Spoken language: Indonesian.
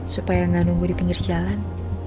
supaya nggak nunggu di pinggir jalan